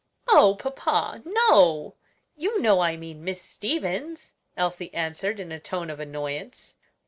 "Oh, papa; no; you know I mean Miss Stevens," Elsie answered in a tone of annoyance.